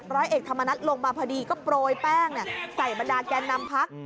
ร้อยเอกธรรมนัฐลงมาพอดีก็โปรยแป้งใส่บรรดาแกนนำพัก